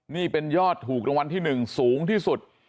นี่เป็นยอดถูกรางวัลที่๑สูงที่สุด